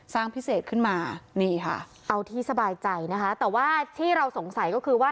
สร้างพิเศษขึ้นมานี่ค่ะเอาที่สบายใจนะคะแต่ว่าที่เราสงสัยก็คือว่า